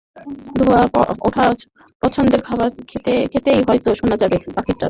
ধোঁয়া ওঠা পছন্দের খাবার খেতে খেতেই হয়তো শোনা যাবে পাখির ডাক।